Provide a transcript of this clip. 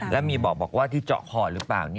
แล้วมีบอกว่าที่เจาะคอหรือเปล่า